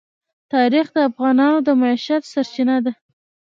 تاریخ د افغانانو د معیشت سرچینه ده.